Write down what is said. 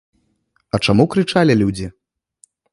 А чаму крычалі людзі?